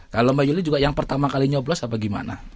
kalau mbak yuli juga yang pertama kali nyoblos apa gimana